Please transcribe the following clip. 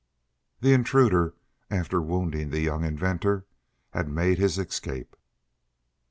The intruder, after wounding the young inventor, had made his escape.